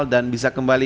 yang biasa dikawal